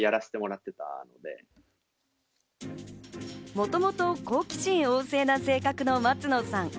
もともと好奇心旺盛な性格の松野さん。